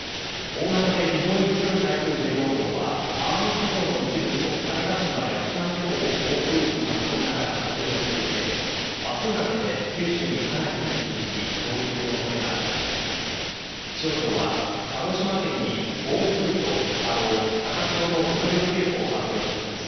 大型で非常に強い台風１４号は、奄美地方の一部と種子島・屋久島地方を暴風域に巻き込みながら北上していて、あすにかけて九州にかなり接近し、上陸するおそれがあります。